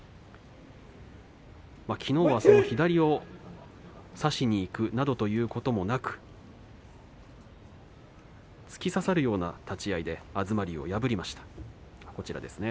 きのうは、その左を差しにいくなどということもなく突き刺さるような立ち合いで東龍を破りました。